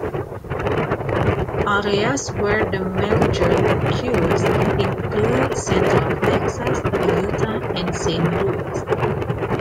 Areas where the merger occurs include central Texas, Utah, and Saint Louis.